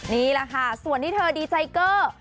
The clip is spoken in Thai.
นี่แหละค่ะส่วนที่เธอดีใจเกอร์